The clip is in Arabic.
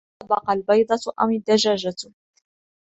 من سبق البيضة أم الدجاجة؟